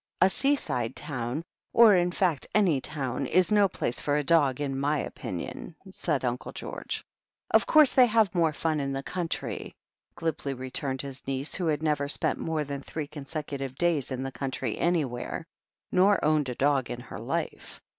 "A seaside town, or, in fact, any town, is no place for a dog, in my opinion," said Uncle George. "Of couree they have more fun in the country," glibly returned his niece, who had never spent more than three consecutive days in the country anywhere, nor owned a dog in her life.